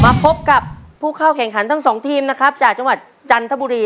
พบกับผู้เข้าแข่งขันทั้งสองทีมนะครับจากจังหวัดจันทบุรี